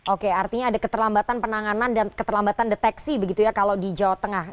oke artinya ada keterlambatan penanganan dan keterlambatan deteksi begitu ya kalau di jawa tengah